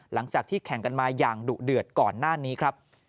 หลังจากที่แข่งกันมาอย่างดุเดือดก่อนหน้านี้ครับ